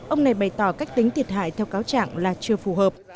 ông này bày tỏ cách tính thiệt hại theo cáo trạng là chưa phù hợp